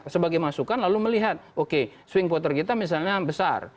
sebagai masukan lalu melihat oke swing voter kita misalnya besar